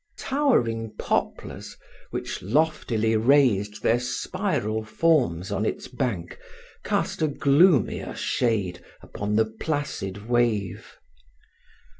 Towering poplars, which loftily raised their spiral forms on its bank, cast a gloomier shade upon the placid wave.